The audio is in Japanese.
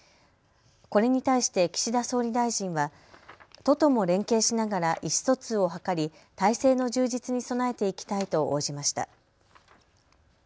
これに対して岸田総理大臣は都とも連携しながら意思疎通を図り体制の充実に備えていきたいと応じました。